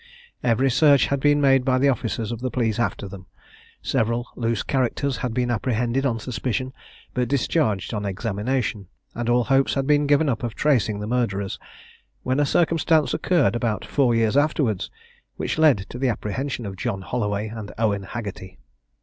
Every search had been made by the officers of the police after them; several loose characters had been apprehended on suspicion, but discharged on examination; and all hopes had been given up of tracing the murderers, when a circumstance occurred, about four years afterwards, which led to the apprehension of John Holloway and Owen Haggerty.